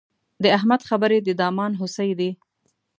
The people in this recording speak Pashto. د احمد خبرې د دامان هوسۍ دي.